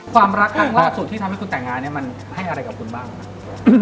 ความรักครั้งล่าสุดที่ทำให้คุณแต่งงานเนี่ยมันให้อะไรกับคุณบ้างครับ